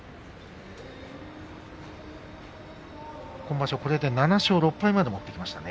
今場所これで７勝６敗まで持ってきましたね。